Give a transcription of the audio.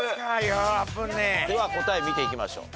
では答え見ていきましょう。